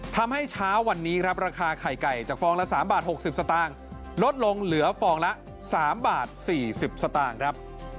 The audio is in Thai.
ทำให้ช้าวันนี้ราคาไข่ไก่จากฟองละ๓บาท๖๐สตลดลงเหลือฟองละ๓บาท๔๐สตครับ